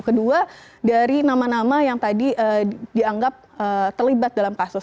kedua dari nama nama yang tadi dianggap terlibat dalam kasus